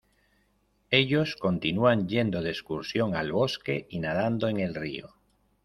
Ellos continúan yendo de excursión al bosque y nadando en el río.